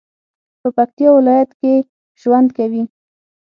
په پکتیا ولایت کې ژوند کوي